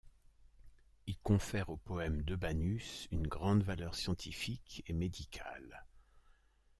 Ils confèrent au poème d'Eobanus une grande valeur scientifique et médicale.